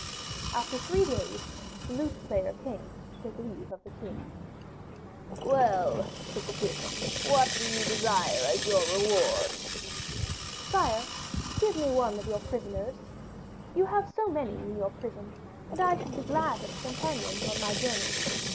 After three days the lute player came to take leave of the king. 'Well,' said the king, 'what do you desire as your reward?' 'Sire, give me one of your prisoners. You have so many in your prison, and I should be glad of a companion on my journeys.